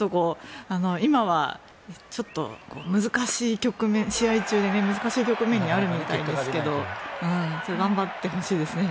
今はちょっと難しい局面試合中で難しい局面にあるみたいですけど頑張ってほしいですね。